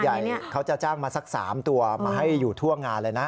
เขาจะจ้างมาสัก๓ตัวมาให้อยู่ทั่วงานเลยนะ